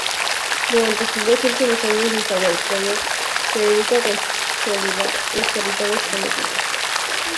Durante sus dos últimos años Nezahualcoyotl se dedica a consolidar los territorios sometidos.